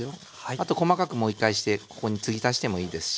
あと細かくもう一回してここに継ぎ足してもいいですし。